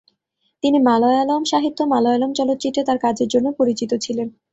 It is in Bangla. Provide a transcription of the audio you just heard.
তিনি মালয়ালম সাহিত্য ও মালয়ালম চলচ্চিত্রে তার কাজের জন্য পরিচিত ছিলেন।